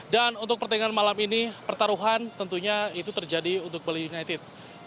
dan untuk pertandingan malam ini pertaruhan tentunya itu terjadi untuk bali united